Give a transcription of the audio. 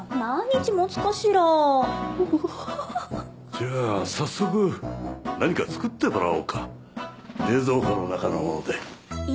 じゃあ早速何か作ってもらおうか冷蔵庫の中のもので。